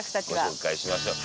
ご紹介しましょう。